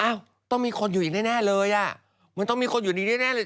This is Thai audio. ต้องมีคนอยู่อีกแน่เลยอ่ะมันต้องมีคนอยู่ดีแน่เลย